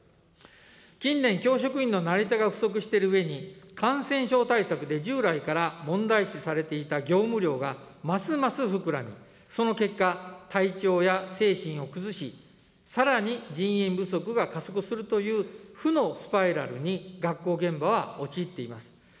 近年、教職員のなり手が不足しているうえに、感染症対策で従来から問題視されていた業務量がますます膨らみ、その結果、体調や精神を崩し、さらに人員不足が加速するという負のスパイラルに学校現場は陥っています。